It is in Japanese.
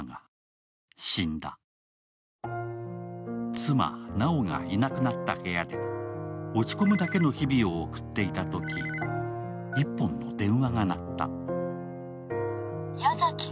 妻・なおがいなくなった部屋で落ち込むだけの日々を送っていたとき、１本の電話が鳴った。